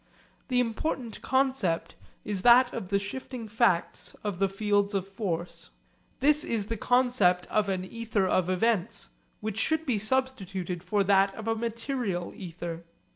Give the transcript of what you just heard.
The important concept is that of the shifting facts of the fields of force. This is the concept of an ether of events which should be substituted for that of a material ether.